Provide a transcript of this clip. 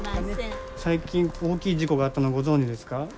最近大きい事故があったのご存じですか？